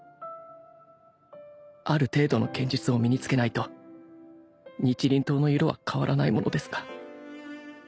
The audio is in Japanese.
ある程度の剣術を身に付けないと日輪刀の色は変わらないものですが。